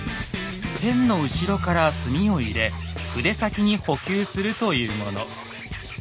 ペンの後ろから墨を入れ筆先に補給するというもの。